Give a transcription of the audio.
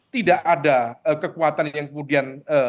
tidak ada kekuatan yang kemudian